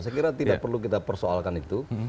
saya kira tidak perlu kita persoalkan itu